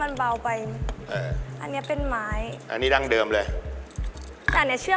มันเป็นขนักมืออันนี้เป็นไม้อันนี้ดั่งเดิมเลยอันนี้เชื้อ